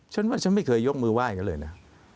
ฉันว่าฉันไม่เคยยกมือไห้เขาเลยนะ